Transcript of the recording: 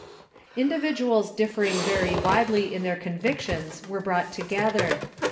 Individuals differing very Avidely in their convictions were brought together.